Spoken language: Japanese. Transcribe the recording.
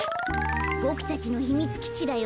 ボクたちのひみつきちだよ。